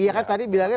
iya kan tadi bilangnya